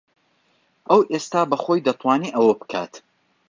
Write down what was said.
ئەو ئێستا بەخۆی دەتوانێت ئەوە بکات.